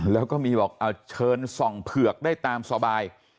แล้วก็มีบอกเอาเชิญส่องเผือกได้ตามสบาย